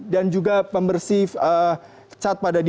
dan juga pembersih cat pada diri